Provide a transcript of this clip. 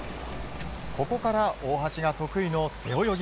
ここから大橋が得意の背泳ぎ。